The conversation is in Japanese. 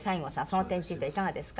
その点についてはいかがですか？